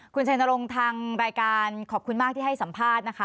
คุณชัยนรงค์ทางรายการขอบคุณมากที่ให้สัมภาษณ์นะคะ